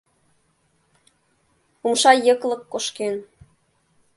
Умша йыклык кошкен.